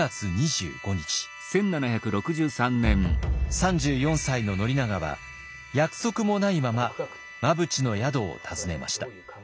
３４歳の宣長は約束もないまま真淵の宿を訪ねました。